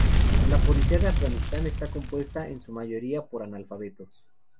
La policía de Afganistán está compuesta en su mayoría por analfabetos.